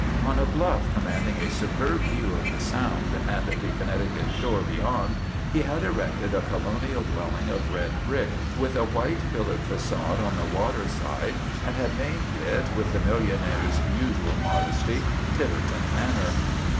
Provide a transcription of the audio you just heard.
On a bluff com manding a superb view of the Sound and the Con necticut shore beyond he had erected a colonial dwelling of red brick with a white pillared fagade on the water side and had named it, with the mil lionaire's usual modesty, Tiverton Manor.